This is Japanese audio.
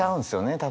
多分。